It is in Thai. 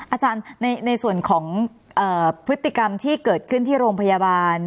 อาจารย์ในส่วนของพฤติกรรมที่เกิดขึ้นที่โรงพยาบาล